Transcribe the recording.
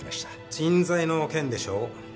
人材の件でしょ？